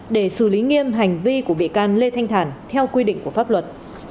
để xử lý nghiêm hành vi của bị can lê thanh thản theo quy định của pháp luật